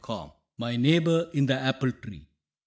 48 MY NEIGHBOR IN THE APPLE TREE.